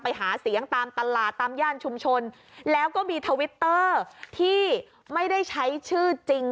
ไปหาเสียงตามตลาดตามย่านชุมชนแล้วก็มีทวิตเตอร์ที่ไม่ได้ใช้ชื่อจริง